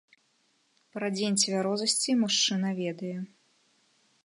Пра дзень цвярозасці мужчына ведае.